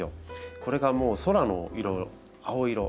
これがもう空の色青色空色。